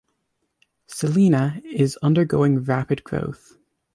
Celina is undergoing rapid growth.